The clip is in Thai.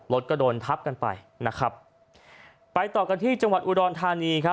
รถก็โดนทับกันไปนะครับไปต่อกันที่จังหวัดอุดรธานีครับ